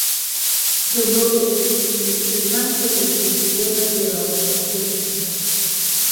The road made the Transportation of raw materials all the better.